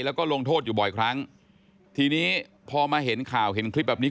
แล้วก็ลงโทษอยู่บ่อยครั้งทีนี้พอมาเห็นข่าวเห็นคลิปแบบนี้